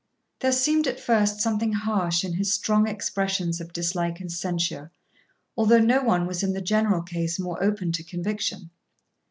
There seemed at first something harsh in his strong expressions of dislike and censure, although no one was in the general case more open to conviction.